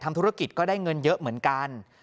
ธุรกิจก็ได้เงินเยอะเหมือนกัน